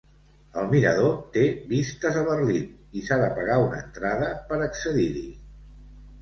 El mirador té vistes a Berlín i s'ha de pagar una entrada per accedir-hi.